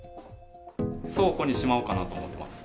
倉庫にしまおうかなと思ってます。